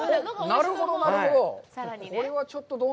なるほど、なるほど。